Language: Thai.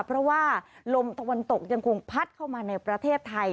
เพราะว่าลมตะวันตกยังคงพัดเข้ามาในประเทศไทย